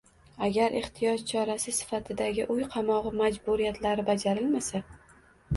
Agar ehtiyot chorasi sifatidagi uy qamog‘i majburiyatlari bajarilmasa